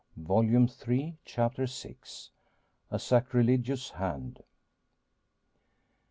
Volume Three, Chapter VI. A SACRILEGIOUS HAND.